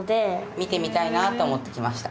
見てみたいなと思って来ました。